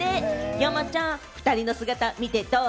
山ちゃん、２人の姿を見てどう？